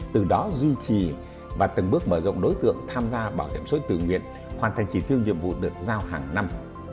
từ đó duy trì và từng bước mở rộng đối tượng tham gia bảo hiểm xã hội tự nguyện hoàn thành chỉ tiêu nhiệm vụ được giao hàng năm